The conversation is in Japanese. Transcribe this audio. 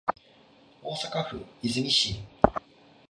大阪府和泉市